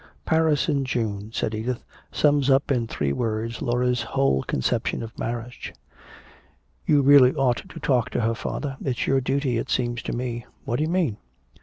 "Paris in June," said Edith, "sums up in three words Laura's whole conception of marriage. You really ought to talk to her, father. It's your duty, it seems to me." "What do you mean?"